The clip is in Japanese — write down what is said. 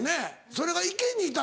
それが池にいたの？